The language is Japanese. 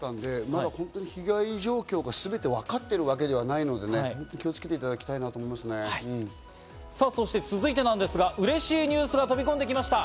まだ被害状況がすべてわかっているわけではないのでね、本当に気をつけていただきたいなそして続いてなんですが、うれしいニュースが飛び込んできました。